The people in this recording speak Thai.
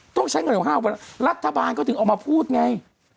ต้องใช้เงิน๕๖พิมพ์รัฐบาณก็ถึงออกมาพูดไง